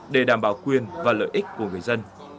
để đảm bảo quyền và lợi ích của người dân